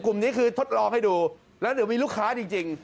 กลุ่มนี้คือทดลองให้ดูแล้วเดี๋ยวมีลูกค้าจริง